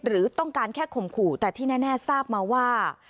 หรือต้องการแค่ข่มขู่แต่ที่แน่ทราบมาว่า